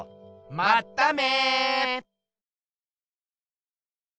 まっため。